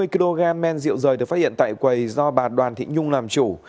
sáu mươi kg men rượu rời được phát hiện tại quầy do bà đoàn thị nhung làm chủ